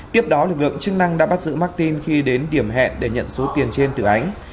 tiếp đó lực lượng chức năng đã bắt giữ martin khi đến điểm hẹn để nhận số tiền trên từ ánh